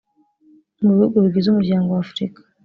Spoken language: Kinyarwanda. mu bihugu bigize umuryango w afurika